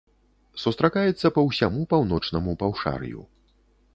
Сустракаецца па ўсяму паўночнаму паўшар'ю.